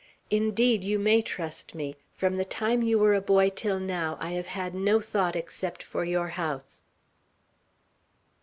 "Indeed, you may trust me! From the time you were a boy till now, I have had no thought except for your house."